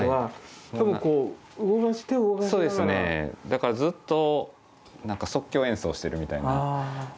だからずっと即興演奏してるみたいな。